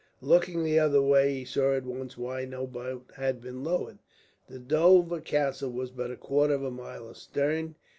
Looking the other way, he saw at once why no boat had been lowered. The Dover Castle was but a quarter of a mile astern.